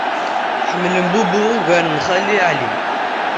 Tḥemmlem Bob ugar n Xali Ɛli.